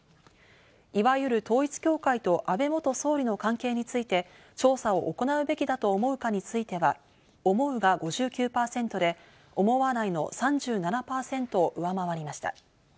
いわゆる統一教会と安倍元総理の関係について調査を行うべきだと思うかについては、思うが５９％で、思わないの３７％を上回りました。